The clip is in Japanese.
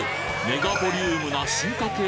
メガボリュームな進化系